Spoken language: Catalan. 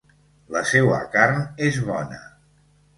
La seua carn és bona.